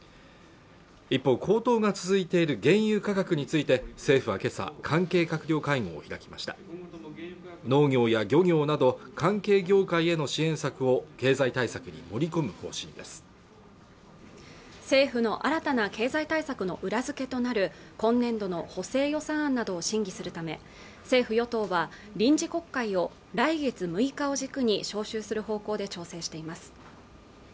一方高騰が続いている原油価格について政府はけさ関係閣僚会合を開きました都の農業や漁業など関係業界への支援策を経済対策に盛り込む方針です政府の新たな経済対策の裏付けとなる今年度の補正予算案などを審議するため政府与党は臨時国会を来月６日を軸に召集する方向で調整しています